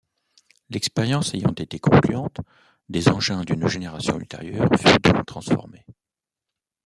L'expérience ayant été concluante, des engins d'une génération ultérieure furent donc transformés.